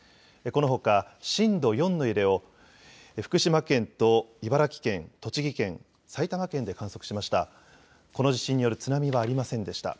このほか震度４の揺れを福島県と茨城県、栃木県、埼玉県で観測しました。